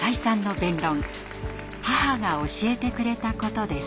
「母が教えてくれたこと」です。